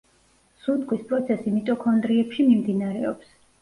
სუნთქვის პროცესი მიტოქონდრიებში მიმდინარეობს.